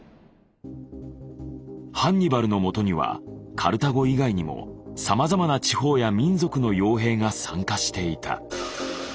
ハンニバルのもとにはカルタゴ以外にもさまざまな地方や民族の傭兵が参加していた。